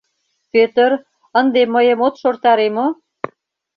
— Пӧтыр, ынде мыйым от шортаре мо?